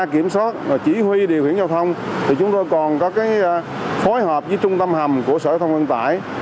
kiểm soát và chỉ huy điều khiển giao thông thì chúng tôi còn có cái phối hợp với trung tâm hầm của sở hữu thông ngân tải